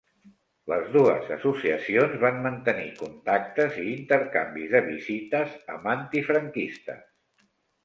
Les dues associacions van mantenir contactes i intercanvis de visites amb antifranquistes.